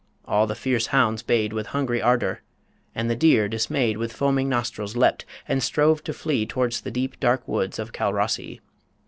All the fierce hounds bayed With hungry ardour, and the deer, dismayed, With foaming nostrils leapt, and strove to flee Towards the deep, dark woods of Calrossie.